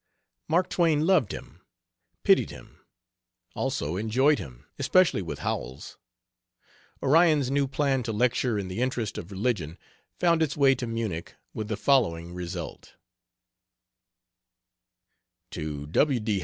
Mark Twain loved him, pitied him also enjoyed him, especially with Howells. Orion's new plan to lecture in the interest of religion found its way to Munich, with the following result: To W. D.